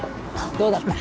どうだった？